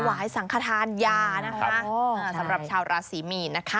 ถวายสังคทานยาสำหรับชาวราศีมีน